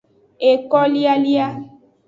Ekolialia.